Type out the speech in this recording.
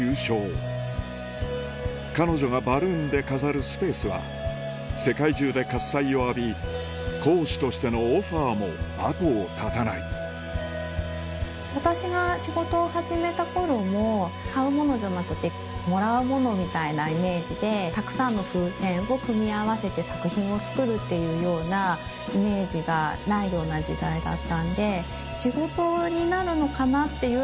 彼女がバルーンで飾るスペースは世界中で喝采を浴び講師としてのオファーも後を絶たない私が仕事を始めた頃も買うものじゃなくてもらうものみたいなイメージでたくさんの風船を組み合わせて作品を作るっていうようなイメージがないような時代だったんで。